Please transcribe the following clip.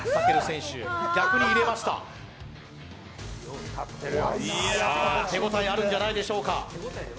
手応えあるんじゃないでしょうか。